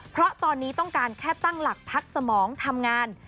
เพราะตอนนี้ต้องการแค่ตั้งหลักพักสมองทำงาน